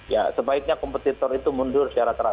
ya sebaiknya kompetitor itu mundur secara keras